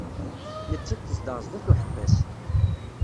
Nettat tezdeɣ sdat uḥebbas.